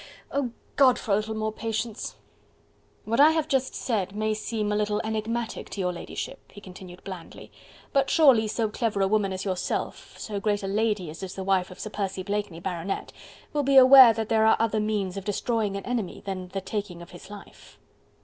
Oh God! for a little more patience! "What I have just said may seem a little enigmatic to your ladyship," he continued blandly, "but surely so clever a woman as yourself, so great a lady as is the wife of Sir Percy Blakeney, Baronet, will be aware that there are other means of destroying an enemy than the taking of his life."